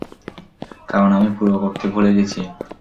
কারণ, আমি পুরো করতে ভুলে গেছি।